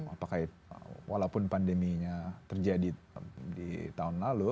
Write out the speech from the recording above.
apakah walaupun pandeminya terjadi di tahun lalu